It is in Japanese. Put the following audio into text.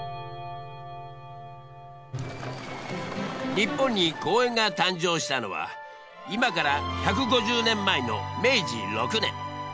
日本に公園が誕生したのは今から１５０年前の明治６年。